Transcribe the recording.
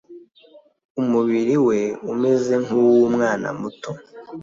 Umubiri we umeze nk' uwumwana muto